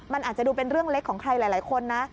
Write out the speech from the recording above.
มันอาจจะดูเป็นเรื่องเล็กของใครหลายคนนะ